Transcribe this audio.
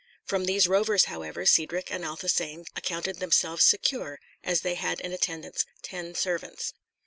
From these rovers, however, Cedric and Athelstane accounted themselves secure, as they had in attendance ten servants.